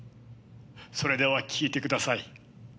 それでは聴いてください。